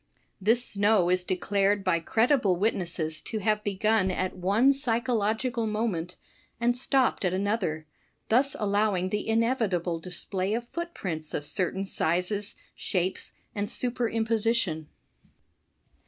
'* This snow is declared by credible witnesses to have begun at one psychological moment, and stopped at another; thus allowing the inevitable display of footprints of certain sizes, shapes and superimposition.